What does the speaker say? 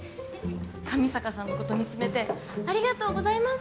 上坂さんのこと見つめて「ありがとうございます！」